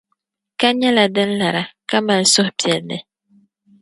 Ka nyɛla din lara, ka mali suhupɛlli.